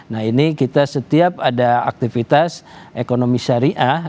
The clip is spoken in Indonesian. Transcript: nah ini kita setiap ada aktivitas ekonomi syariah